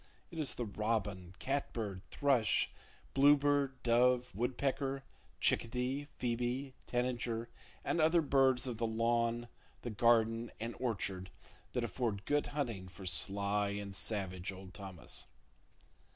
It is the robin, catbird, thrush, bluebird, dove, woodpecker, chickadee, phoebe, tanager and other birds of the lawn, the garden and orchard that afford good hunting for sly and savage old Thomas.